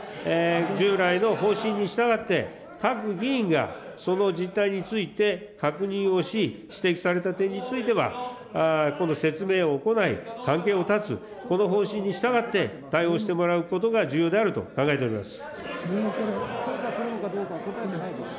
従来の方針に従って、各議員がその実態について確認をし、指摘された点については、今度、説明を行い、関係を断つ、この方針に従って、対応してもらうことが重要であると考えております。